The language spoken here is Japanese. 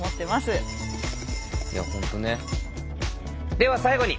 では最後に。